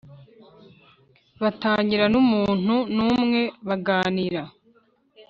batangira n’umuntu numwe baganira